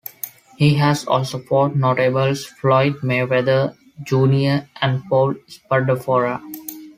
He has also fought notables Floyd Mayweather Junior and Paul Spadafora.